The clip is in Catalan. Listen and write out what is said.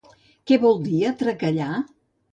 Què vol dir atracallar?